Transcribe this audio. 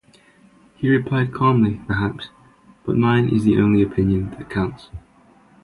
He replied calmly, Perhaps-but mine is the only opinion that counts.